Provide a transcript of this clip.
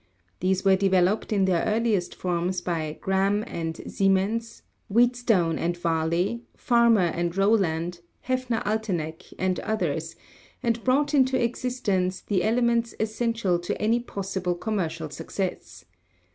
These were developed in their earliest forms by Gramme and Siemens, Wheatstone and Varley, Farmer and Rowland, Hefner Alteneck and others, and brought into existence the elements essential to any possible com mercial success.